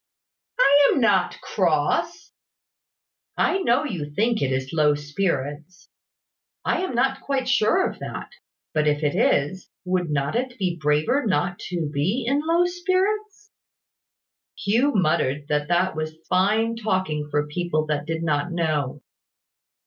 "I am not cross." "I know you think it is low spirits. I am not quite sure of that: but if it is, would not it be braver not to be low in spirits?" Hugh muttered that that was fine talking for people that did not know.